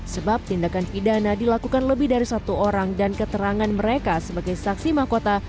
sebab tindakan pidana dilakukan lebih dengan baik dan tidak bergantung kepada kebenaran saksi mahkota